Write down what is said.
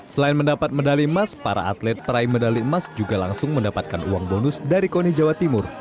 selain mendapat medali emas para atlet peraih medali emas juga langsung mendapatkan uang bonus dari koni jawa timur